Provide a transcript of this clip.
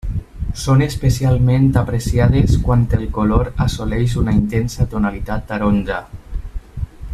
Són especialment apreciades quan el color assoleix una intensa tonalitat taronja.